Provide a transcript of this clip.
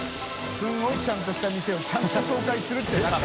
垢瓦ちゃんとした店をちゃんと紹介するってなかった。